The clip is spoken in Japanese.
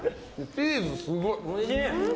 チーズすごい。